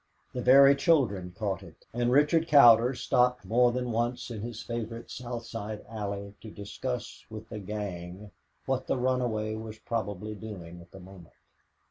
The very children caught it, and Richard Cowder stopped more than once in his favorite South Side Alley to discuss with the "gang" what the runaway was probably doing at the moment.